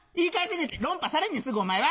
論破されんねんすぐお前は！